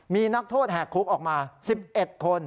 มีนักโทษแหกคุกออกมา๑๑คน